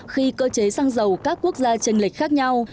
khi cơ chế xăng dầu các quốc gia chênh lịch khác nhau